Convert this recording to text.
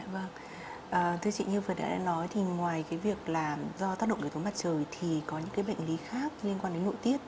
vâng thưa chị như vừa đã nói thì ngoài cái việc là do tác động của tống mặt trời thì có những cái bệnh lý khác liên quan đến nội tiết